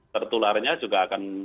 tertularnya juga akan